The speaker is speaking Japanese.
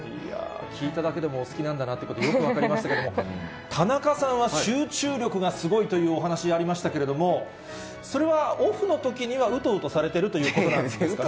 聞いただけでも好きなんだなということがよく分かりましたけれども、田中さんは、集中力がすごいというお話ありましたけれども、それはオフのときには、うとうとされているということなんですか。